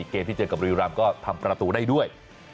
เกมที่เจอกับบุรีรำก็ทำประตูได้ด้วย